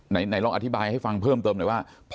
ไหนลองอธิบายให้ฟังเพิ่มเติมหน่อยว่า